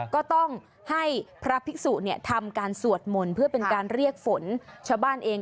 ก็ต้องให้พระภิกษุเนี่ยทำการสวดมนต์เพื่อเป็นการเรียกฝนชาวบ้านเอง